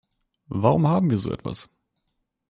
Warum haben wir so etwas?